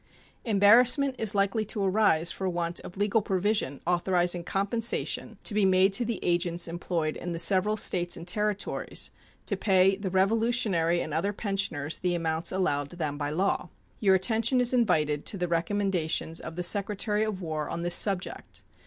Embarrassment is likely to arise for want of legal provision authorizing compensation to be made to the agents employed in the several States and Territories to pay the Revolutionary and other pensioners the amounts allowed them by law. Your attention is invited to the recommendations of the Secretary of War on this subject.